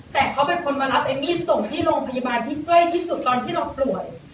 แต่เขาเป็นคนมารับเอมมี่ส่งที่โรงพยาบาลที่ใกล้ที่สุดตอนที่เราป่วย